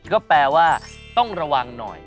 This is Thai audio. ก็แปลว่าต้องระวังหน่อย